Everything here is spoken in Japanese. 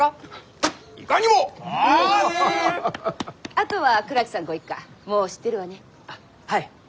あっはい。